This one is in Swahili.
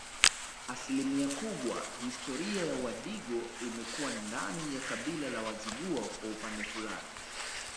Asilimia kubwa historia ya Wadigo imekuwa ndani ya kabila la Wazigua kwa upande fulani